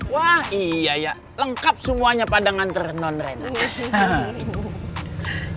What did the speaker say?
wah iya ya lengkap semuanya pada nganter nonrena